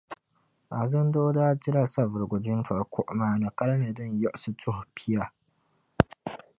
Azindoo daa dila Savulugu jintɔri kuɣa maa ni kalinli din yiɣisi tuh' pia.